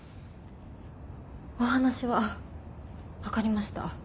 お話は分かりました。